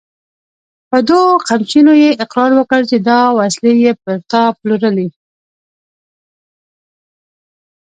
په دوو قمچينو يې اقرار وکړ چې دا وسلې يې پر تا پلورلې!